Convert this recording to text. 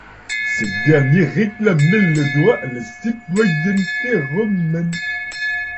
Ces derniers réclamaient le droit à la citoyenneté romaine.